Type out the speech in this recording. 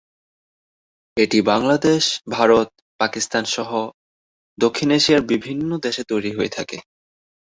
এটি বাংলাদেশ, ভারত, পাকিস্তান সহ দক্ষিণ এশিয়ার বিভিন্ন দেশে তৈরি হয়ে থাকে।